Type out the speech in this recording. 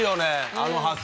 あの発想。